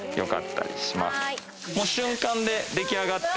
瞬間で出来上がって。